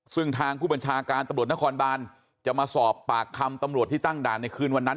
ซึ่งทางผู้บัญชาการตำรวจนครบานจะมาสอบปากคำตำรวจที่ตั้งด่านในคืนวันนั้น